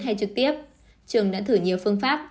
hay trực tiếp trường đã thử nhiều phương pháp